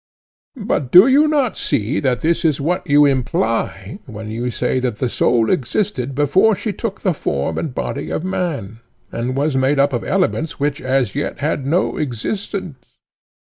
But do you not see that this is what you imply when you say that the soul existed before she took the form and body of man, and was made up of elements which as yet had no existence?